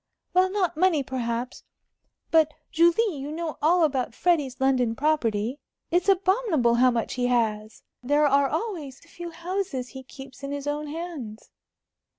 "Well, not money, perhaps. But, Julie, you know all about Freddie's London property. It's abominable how much he has. There are always a few houses he keeps in his own hands.